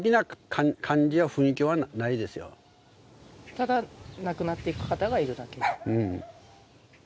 ただ、亡くなっていく方がいるだけ？